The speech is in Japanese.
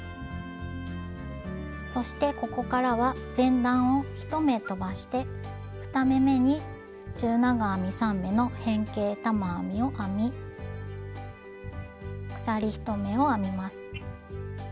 そしてここからは前段を１目飛ばして２目めに中長編み３目の変形玉編みを編み鎖１目を編みます。